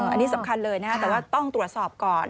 อันนี้สำคัญเลยนะครับแต่ว่าต้องตรวจสอบก่อน